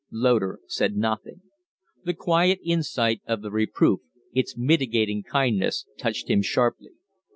Loder said nothing. The quiet insight of the reproof, its mitigating kindness, touched him sharply.